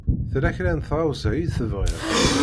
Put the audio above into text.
Tella kra n tɣawsa i tebɣiḍ?